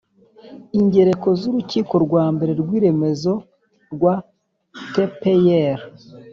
ingereko z'urukiko rwa mbere rw'iremezo rwa tpir